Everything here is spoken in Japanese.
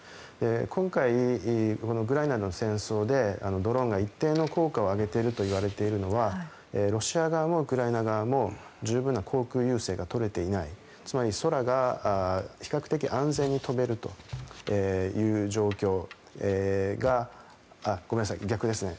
今回、ウクライナの戦争でドローンが一定の効果を上げているといわれているのはロシア側もウクライナ側も十分な航空優勢が取れていないつまり、空が比較的安全に飛べるという状況がごめんなさい、逆ですね。